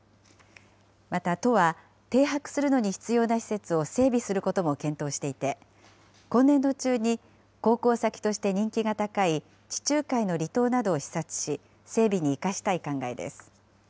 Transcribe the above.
また、都は停泊するのに必要な施設を整備することも検討していて、今年度中に航行先として人気が高い地中海の離島などを視察し、整備に生かしたい考えです。